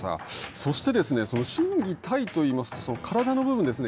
そして、心技体といいますと体の部分ですね。